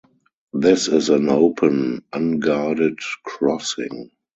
This is an open, unguarded crossing.